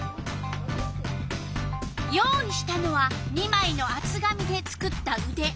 用意したのは２まいのあつ紙で作ったうで。